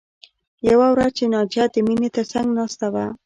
یوه ورځ چې ناجیه د مینې تر څنګ ناسته وه